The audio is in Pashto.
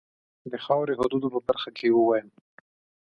د خاوري حدودو په برخه کې ووایم.